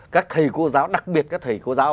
các thầy cô giáo đặc biệt các thầy cô giáo